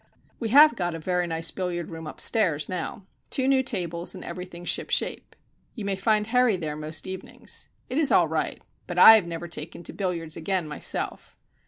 We have got a very nice billiard room upstairs now. Two new tables and everything ship shape. You may find Harry there most evenings. It is all right. But I have never taken to billiards again myself.